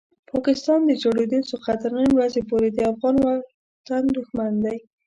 پاکستان د جوړېدو څخه تر نن ورځې پورې د افغان وطن دښمن دی.